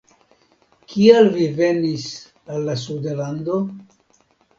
Kial vi venis al la Suda Lando?